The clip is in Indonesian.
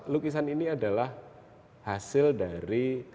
lukisan ini adalah hasil dari